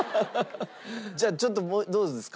じゃあちょっとどうですか？